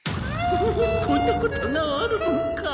ここんなことがあるもんか！